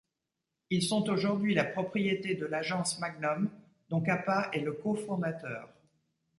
Ils sont aujourd'hui la propriété de l'agence Magnum, dont Capa est le cofondateur.